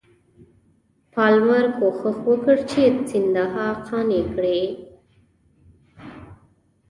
پالمر کوښښ وکړ چې سیندهیا قانع کړي.